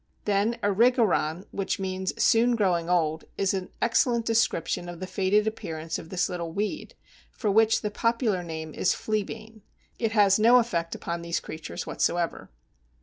Then Erigeron, which means "soon growing old," is an excellent description of the faded appearance of this little weed, for which the popular name is Fleabane (it has no effect upon these creatures whatsoever).